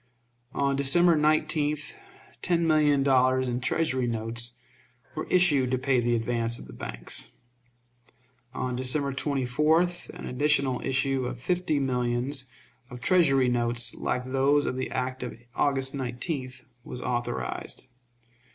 On December 19th ten million dollars in Treasury notes were issued to pay the advance of the banks. On December 24th an additional issue of fifty millions of Treasury notes like those of the act of August 19th was authorized.